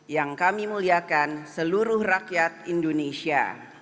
yang kami muliakan seluruh rakyat indonesia